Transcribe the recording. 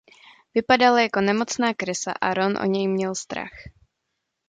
Vypadal jako nemocná krysa a Ron o něj měl strach.